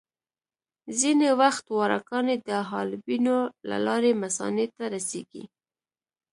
ځینې وخت واړه کاڼي د حالبینو له لارې مثانې ته رسېږي.